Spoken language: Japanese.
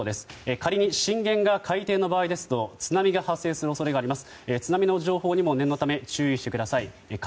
仮に震源が海底の場合ですと津波が発生する恐れがあります。